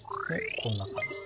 こんな感じだね。